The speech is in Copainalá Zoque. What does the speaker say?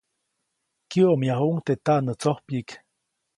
Kyäʼomyajuʼuŋ teʼ taʼnätsojpyiʼk.